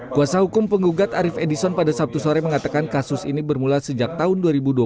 kuasa hukum penggugat arief edison pada sabtu sore mengatakan kasus ini bermula sejak tahun dua ribu dua belas